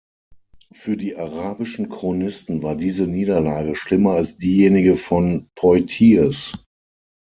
Für die arabischen Chronisten war diese Niederlage schlimmer als diejenige von Poitiers.